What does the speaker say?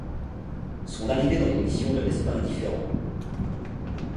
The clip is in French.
Son arrivée dans l'émission ne laisse pas indifférent.